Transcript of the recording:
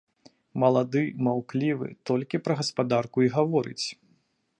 Малады, маўклівы, толькі пра гаспадарку і гаворыць.